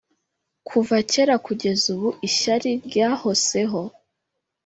kuva kera kugeza ubu ishyari ryahoseho